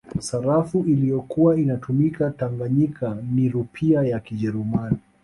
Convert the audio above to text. Sarafu iliyokuwa inatumika Tanganyika ni Rupia ya Kijerumani